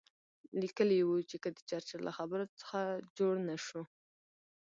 لیکلي یې وو چې که د چرچل له خبرو څه جوړ نه شو.